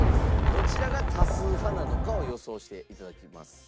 どちらが多数派なのかを予想して頂きます。